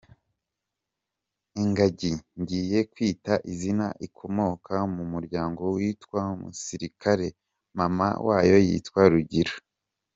Ingagi ngiye kwita izina ikomoka mu muryango witwa Musirikare, mama wayo yitwa Rugira.